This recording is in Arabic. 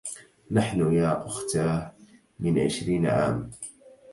نحن يا أُختاه، من عشرين عام